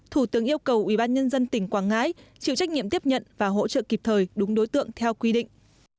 thủ tướng yêu cầu ubnd tỉnh quảng ngãi chịu trách nhiệm tiếp nhận và hỗ trợ kịp thời đúng đối tượng theo quy định